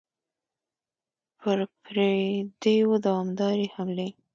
پر پردیو دوامدارې حملې.